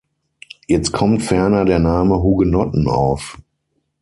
Jetzt kommt ferner der Name „Hugenotten“ auf.